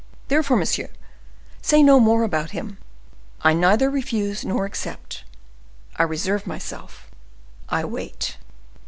Therefore, monsieur, say no more about him. I neither refuse nor accept: I reserve myself—I wait."